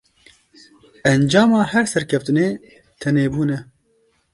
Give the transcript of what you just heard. Encama her serkeftinê, tenêbûn e.